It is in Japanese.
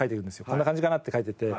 こんな感じかな？って描いていって。